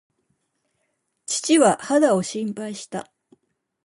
父は肌を心配した。